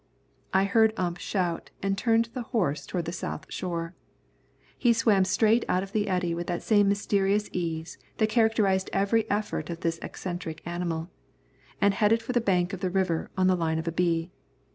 I heard Ump shout and turned the horse toward the south shore. He swam straight out of the eddy with that same mysterious ease that characterised every effort of this eccentric animal, and headed for the bank of the river on the line of a bee.